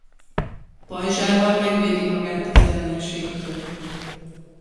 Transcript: Pajzsával megvédi magát az ellenségtől.